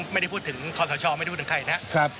ไม่ได้พูดถึงคนสาวชอบไม่ได้พูดถึงใครนะ